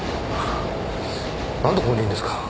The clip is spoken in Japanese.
なんでここにいるんですか？